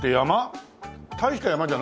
大した山じゃないでしょ？